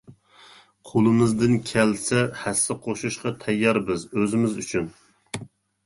قولىمىزدىن كەلسە، ھەسسە قوشۇشقا تەييار بىز. ئۆزىمىز ئۈچۈن!